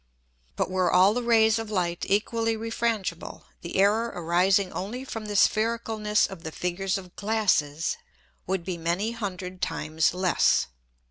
But were all the Rays of Light equally refrangible, the Error arising only from the Sphericalness of the Figures of Glasses would be many hundred times less.